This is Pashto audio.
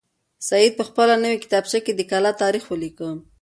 سعید په خپله نوې کتابچه کې د کلا تاریخ ولیکه.